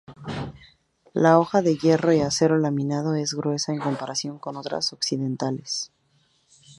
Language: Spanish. La hoja de hierro y acero laminado es gruesa en comparación con las occidentales.